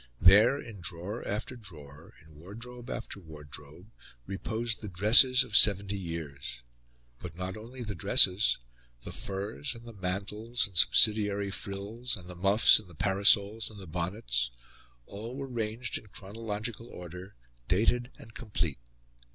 There, in drawer after drawer, in wardrobe after wardrobe, reposed the dresses of seventy years. But not only the dresses the furs and the mantles and subsidiary frills and the muffs and the parasols and the bonnets all were ranged in chronological order, dated and complete.